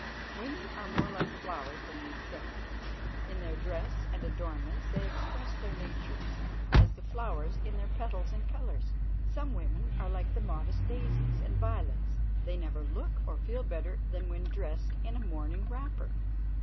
Women are more like flowers than we think. In their dress and adornments they express their natures, as the flowers in their petals and colors. Some women are like the modest daisies and violets—they never look or feel better than when dressed in a morning wrapper.